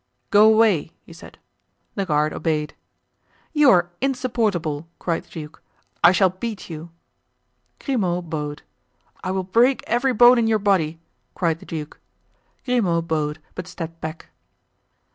"Go away," he said. The guard obeyed. "You are insupportable!" cried the duke; "I shall beat you." Grimaud bowed. "I will break every bone in your body!" cried the duke. Grimaud bowed, but stepped back.